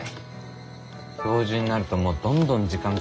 教授になるともうどんどん時間食われるんですよ。